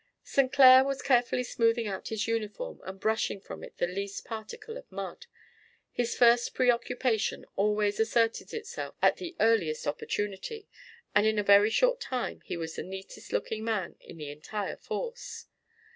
St. Clair was carefully smoothing out his uniform and brushing from it the least particle of mud. His first preoccupation always asserted itself at the earliest opportunity, and in a very short time he was the neatest looking man in the entire force.